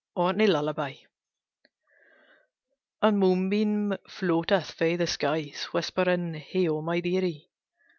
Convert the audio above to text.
ORKNEY LULLABY A moonbeam floateth from the skies, Whispering, "Heigho, my dearie!